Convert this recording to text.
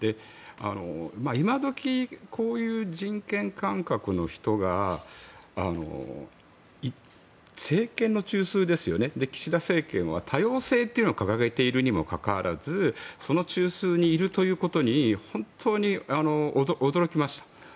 今時、こういう人権感覚の人が政権の中枢ですよね岸田政権は多様性というのを掲げているにもかかわらずその中枢にいるということに本当に驚きました。